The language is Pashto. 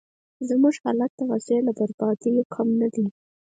زموږ حالت د غزې له بربادیو کم نه دی.